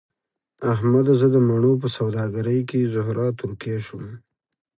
احمده! زه د مڼو په سوداګرۍ کې زهره ترکی شوم.